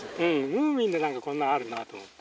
ムーミンでこんなんあるなと思って。